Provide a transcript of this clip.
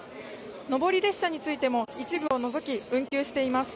上り列車についても一部を除き運休しています。